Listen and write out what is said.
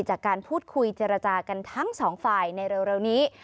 จากการพูดคุยเจรจากันทั้งสองฝ่ายในเร็วนี้